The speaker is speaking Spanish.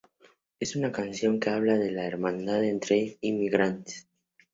Es una canción que habla de la hermandad entre inmigrantes.